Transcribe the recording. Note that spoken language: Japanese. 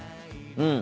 うん。